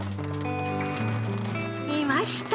いました！